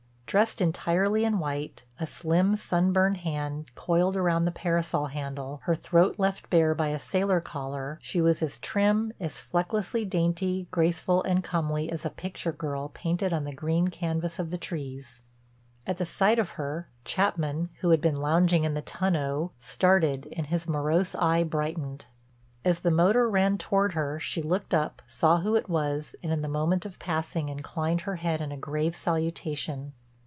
Dressed entirely in white, a slim, sunburned hand coiled round the parasol handle, her throat left bare by a sailor collar, she was as trim, as flecklessly dainty, graceful and comely as a picture girl painted on the green canvas of the trees. At the sight of her Chapman, who had been lounging in the tonneau, started and his morose eye brightened. As the motor ran toward her, she looked up, saw who it was, and in the moment of passing, inclined her head in a grave salutation.